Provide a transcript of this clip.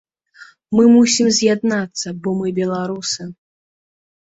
Мы мусім з'яднацца, бо мы беларусы.